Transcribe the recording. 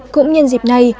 cũng nhân dịp này